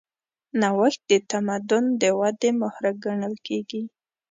نوښت د تمدن د ودې محرک ګڼل کېږي.